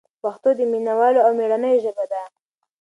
پښتو د مینه والو او مېړنیو ژبه ده.